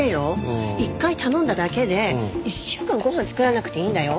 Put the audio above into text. １回頼んだだけで１週間ご飯作らなくていいんだよ。